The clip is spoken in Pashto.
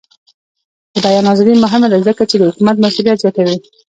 د بیان ازادي مهمه ده ځکه چې د حکومت مسؤلیت زیاتوي.